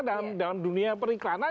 dalam dunia periklanan